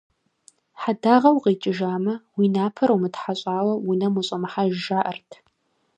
Хьэдагъэ укъикӏыжамэ, уи напэр умытхьэщӏауэ унэм ущӏэмыхьэж жаӏэрт.